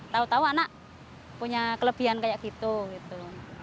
tahu tahu anak punya kelebihan seperti itu